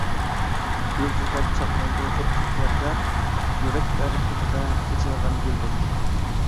يۇلتۇزدەك چاقنايدۇ ئوتلۇق تىلەكلەر يۈرەكلەر قېتىدا ئېچىلغان گۈلدەك.